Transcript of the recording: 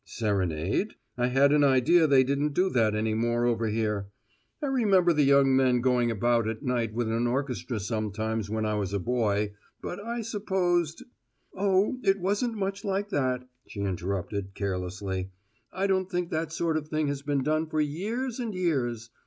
"Serenade? I had an idea they didn't do that any more over here. I remember the young men going about at night with an orchestra sometimes when I was a boy, but I supposed " "Oh, it wasn't much like that," she interrupted, carelessly. "I don't think that sort of thing has been done for years and years.